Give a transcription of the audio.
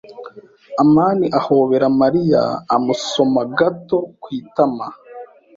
amani ahobera Mariya amusoma gato ku itama.